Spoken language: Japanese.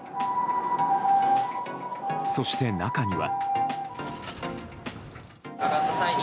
そして中には。